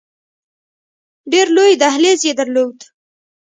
ډېر لوی دهلیز یې درلود.